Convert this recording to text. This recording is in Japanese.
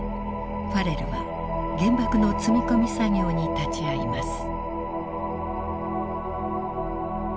ファレルは原爆の積み込み作業に立ち会います。